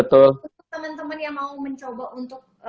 untuk teman teman yang mau mencoba untuk